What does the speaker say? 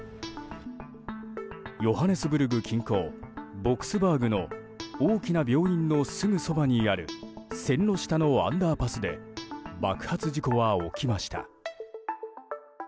ヨハネスブルク近郊ボックスバーグの大きな病院のすぐそばにある線路下のアンダーパスで爆発事故は起きました。